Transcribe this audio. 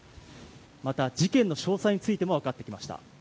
また、事件の詳細についても分かってきました。